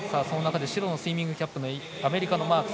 白のスイミングキャップのアメリカのマークス